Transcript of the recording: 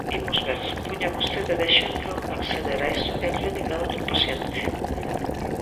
Imos ver, puña vostede de exemplo acceder á historia clínica doutro paciente.